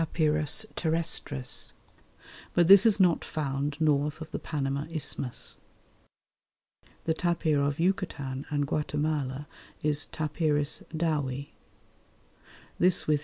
terrestris_, but this is not found north of the Panama Isthmus. The tapir of Yucatan and Guatemala is T. Dowi. This with _T.